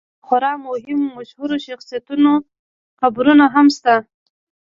دلته د خورا مهمو مشهورو شخصیتونو قبرونه هم شته.